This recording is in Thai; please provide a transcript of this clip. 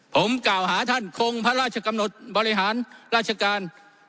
ผมกล่าวหาท่านคงพระราชกำหนดบริหารราชการ